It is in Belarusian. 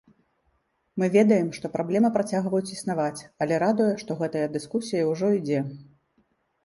Мы ведаем, што праблемы працягваюць існаваць, але радуе, што гэтая дыскусія ўжо ідзе.